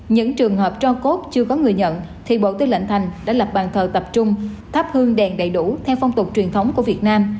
những trường hợp cho cốt chưa có người nhận thì bộ tư lệnh thành đã lập bàn thờ tập trung thắp hương đèn đầy đủ theo phong tục truyền thống của việt nam